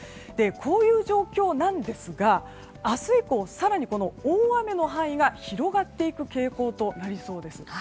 こういう状況なんですが明日以降、更に大雨の範囲が広がっていく傾向となりそうです。